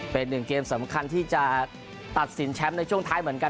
เป็นหนึ่งเกมสำคัญที่จะตัดสินแชมป์ในช่วงท้ายเหมือนกัน